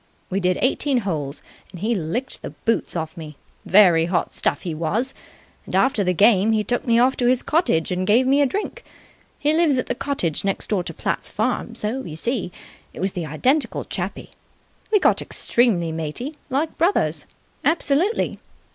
We did eighteen holes, and he licked the boots off me. Very hot stuff he was. And after the game he took me off to his cottage and gave me a drink. He lives at the cottage next door to Platt's farm, so, you see, it was the identical chappie. We got extremely matey. Like brothers. Absolutely!